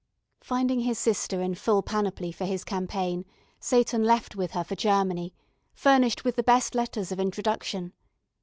Finding his sister in full panoply for his campaign, Seyton left with her for Germany, furnished with the best letters of introduction.